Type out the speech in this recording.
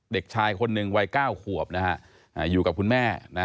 เด็กชายคนหนึ่งวัย๙ขวบนะฮะอยู่กับคุณแม่